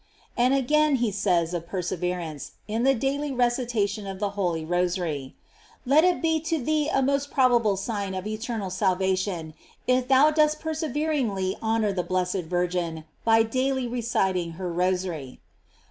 And again he says of perseverance in the daily recitation of the holy rosary: Let it be to thee a most probable sign of eternal salva tion, if thou dost perseveringly honor the blessed Virgin by daily reciting her rosary.